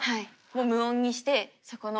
無音にしてそこの。